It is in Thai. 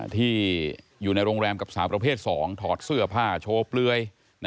ที่อยู่ในโรงแรมกับสาวประเภท๒ถอดเสื้อผ้าโชว์เปลือย